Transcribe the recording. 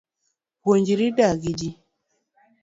Puonjri dak gi jii